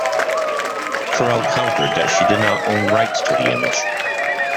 Corel countered that she did not own rights to the image.